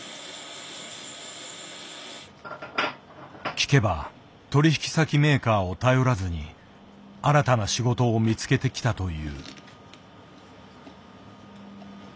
聞けば取引先メーカーを頼らずに新たな仕事を見つけてきたという。